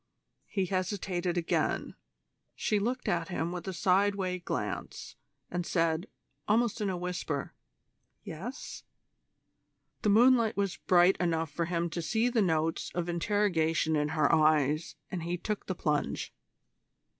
He hesitated again. She looked at him with a sideway glance, and said, almost in a whisper: "Yes?" The moonlight was bright enough for him to see the notes of interrogation in her eyes, and he took the plunge.